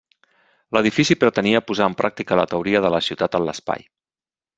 L'edifici pretenia posar en pràctica la teoria de la Ciutat en l'espai.